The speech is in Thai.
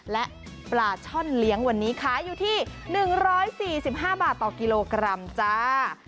และปลาช่อนเลี้ยงวันนี้ขายอยู่ที่๑๔๕บาทต่อกิโลกรัมจ้า